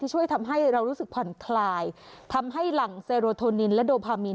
ช่วยทำให้เรารู้สึกผ่อนคลายทำให้หลังเซโรโทนินและโดพามีน